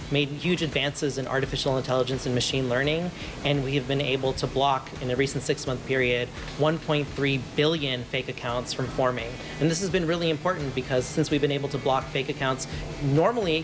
แม้เฟซบุ๊กจะยืนยันว่า